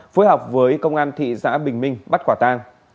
phối hợp với công an thị xã bình minh bắt quả ta